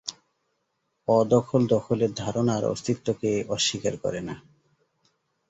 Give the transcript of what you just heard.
অ-দখল দখলের ধারণার অস্তিত্বকে অস্বীকার করে না।